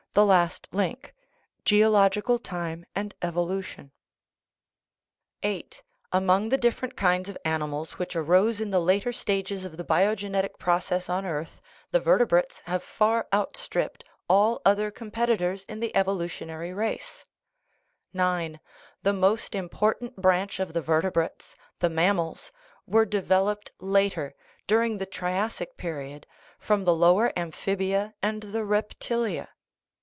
* (8) Among the different kinds of animals which arose in the later stages of the biogenetic process on earth the vertebrates have far outstripped all other com petitors in the evolutionary race. (9) The most impor tant branch of the vertebrates, the mammals, were de veloped later (during the triassic period) from the lower amphibia and the reptilia.